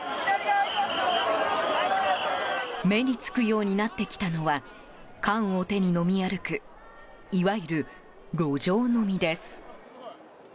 目につくようになってきたのは缶を手に飲み歩くいわゆる、路上飲みです。